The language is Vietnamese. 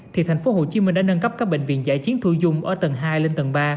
thì thành phố hồ chí minh đã nâng cấp các bệnh viện giải chiến thu dung ở tầng hai lên tầng ba